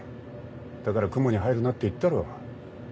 だから雲に入るなって言ったろ。